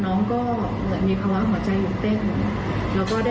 น้องก็เหมือนมีภาวะหัวใจหยุดเต้น